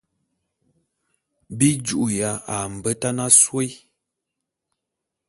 Bi ju'uya a mbetan asôé.